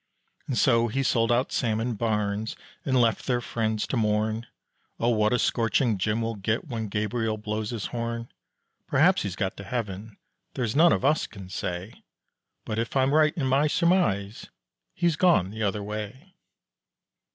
And so he sold out Sam and Barnes and left their friends to mourn, Oh, what a scorching Jim will get when Gabriel blows his horn. Perhaps he's got to heaven, there's none of us can say, But if I'm right in my surmise he's gone the other way.